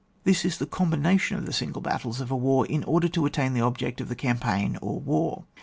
This is the combination of the single battles of a war, in order to attain to the object of the campaign, or war.